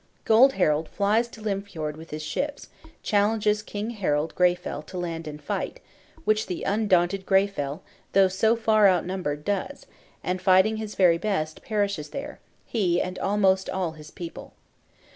Gold Harald flies to Lymfjord with his ships, challenges King Harald Greyfell to land and fight; which the undaunted Greyfell, though so far outnumbered, does; and, fighting his very best, perishes there, he and almost all his people.